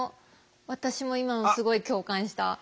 私も今のすごい共感した。